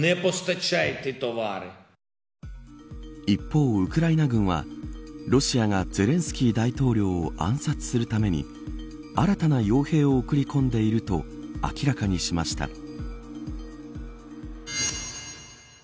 一方、ウクライナ軍はロシアがゼレンスキー大統領を暗殺するために新たな傭兵を送り込んでいると明らかにしました。